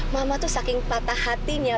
mama tuh saking patah hatinya